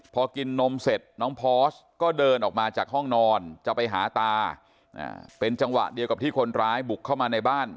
พอกินนมเสร็จน้องพอสก็เดินออกมาจากห้องนอนจะไปหาตาเป็นจังหวะเดียวกับที่คนร้ายบุกเข้ามาในบ้าน